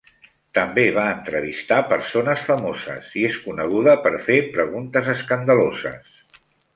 També va entrevistar persones famoses, i és coneguda per fer preguntes escandaloses.